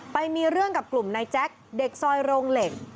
ไปมีเรื่องกับกลุ่มนายแจ๊คเด็กซอยโรงเหล็ก